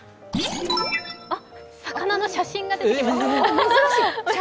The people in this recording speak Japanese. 魚の写真が出てきました。